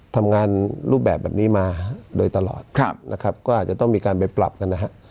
ทำงานรูปแบบแบบนี้มาโดยตลอดนะครับก็อาจจะต้องมีการไปปรับกันนะฮะ